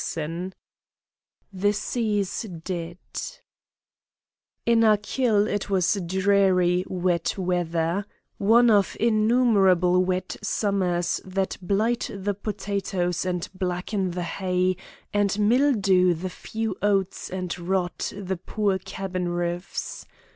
VIII THE SEA'S DEAD In Achill it was dreary wet weather one of innumerable wet summers that blight the potatoes and blacken the hay and mildew the few oats and rot the poor cabin roofs.